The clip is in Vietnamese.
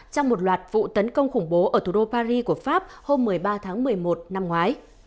trong một loạt vụ tấn công khủng bố ở thủ đô paris của pháp hôm một mươi ba tháng một mươi một năm ngoái